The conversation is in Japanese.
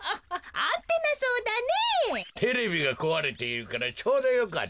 テレビがこわれているからちょうどよかった。